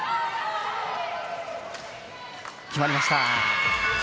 決まりました。